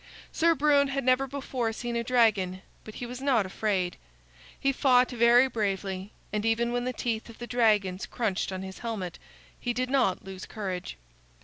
Sir Brune had never before seen a dragon, but he was not afraid. He fought very bravely, and even when the teeth of the dragons crunched on his helmet, he did not lose courage.